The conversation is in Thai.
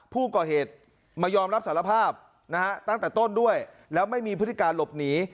ผู้ก่อเหตุมายอมรับสารภาพนะฮะตั้งแต่ต้นด้วยแล้วไม่มีพฤติการหลบหนี